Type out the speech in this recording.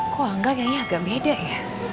kok angga kayaknya agak beda ya